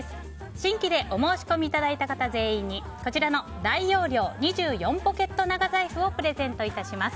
新規でお申し込みいただいた方全員に大容量２４ポケット長財布をプレゼントいたします。